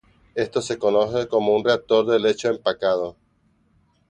Esto se conoce como un reactor de lecho empacado.